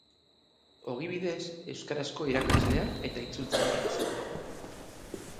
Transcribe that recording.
Ogibidez, euskarazko irakaslea eta itzultzailea izan da.